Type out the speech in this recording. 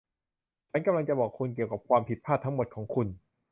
ฉันกำลังจะบอกคุณเกี่ยวกับความผิดพลาดทั้งหมดของคุณ